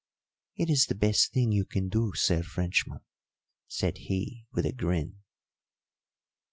"It is the best thing you can do, Sir Frenchman," said he, with a grin.